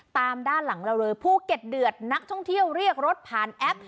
ตามด้านหลังเราเลยภูเก็ตเดือดนักท่องเที่ยวเรียกรถผ่านแอป